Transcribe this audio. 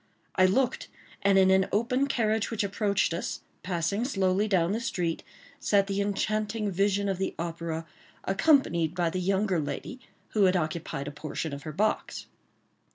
I looked; and in an open carriage which approached us, passing slowly down the street, sat the enchanting vision of the opera, accompanied by the younger lady who had occupied a portion of her box.